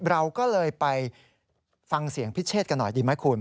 เราก็เลยไปฟังเสียงพิเชษกันหน่อยดีไหมคุณ